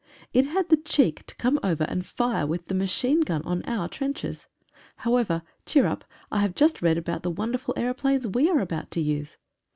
It had the cheek to come over and fire with the machine gun on our trenches. However, cheer up, I have just read about the wonderful aeroplanes we are about to use.